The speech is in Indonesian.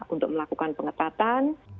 untuk melakukan pengetatan